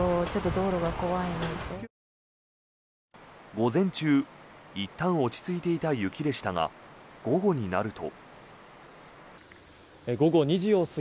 午前中いったん落ち着いていた雪でしたが午後になると。